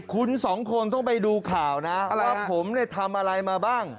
คุณสองคนต้องไปดูข่าวนะว่าผมเนี่ยทำอะไรมาบ้าง